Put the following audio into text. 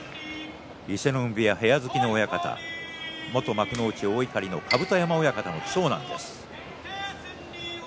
伊勢ノ海部屋、部屋付きの親方元幕内大碇、甲山親方の長男です。